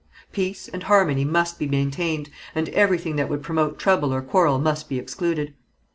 Peace and harmony must be maintained, and everything that would promote trouble or quarrel must be excluded.